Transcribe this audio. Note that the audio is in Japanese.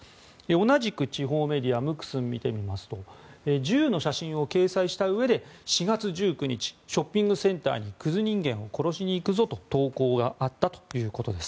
同じく地方メディアムクスンを見てみますと銃の写真を掲載したうえで４月１９日ショッピングセンターにくず人間を殺しに行くぞと投稿があったということです。